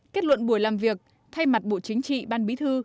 kết luận buổi làm việc thay mặt bộ chính trị ban bí thư